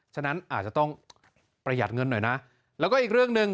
ฉะนั้นอาจจะต้องประหยัดเงินหน่อยนะแล้วก็อีกเรื่องหนึ่ง